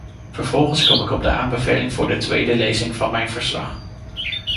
Vervolgens kom ik op de aanbeveling voor de tweede lezing van mijn verslag.